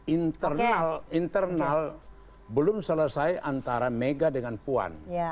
internal internal belum selesai antara mega dengan puan